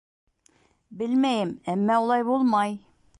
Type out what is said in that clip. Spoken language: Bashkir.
Белмәйем, әммә улай булмай!